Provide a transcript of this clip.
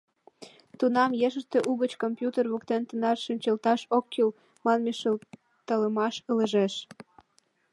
Тунам ешыште угыч «Компьютер воктен тынар шинчылташ ок кӱл» манме шылталымаш ылыжеш.